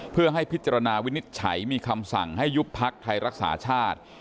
เพื่อให้พิจารณาวินิจฉัยมีคำสั่งให้ยุบพักไทยรักษาชาติ